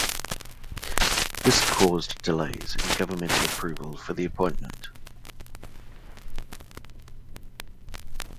This caused delays in governmental approval for the appointment.